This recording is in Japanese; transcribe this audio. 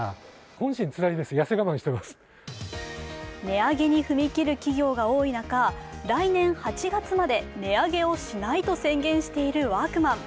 値上げに踏み切る企業が多い中、来年８月まで値上げをしないと宣言しているワークマン。